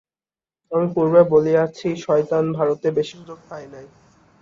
আমি পূর্বে বলিয়াছি, শয়তান ভারতে বেশী সুযোগ পায় নাই।